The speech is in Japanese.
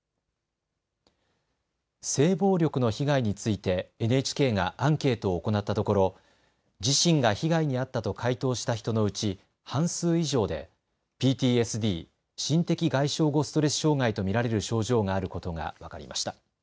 性暴力の被害についてＮＨＫがアンケートを行ったところ自身が被害に遭ったと回答した人のうち半数以上でＰＴＳＤ・心的外傷後ストレス障害と見られる症状があることが分かりました。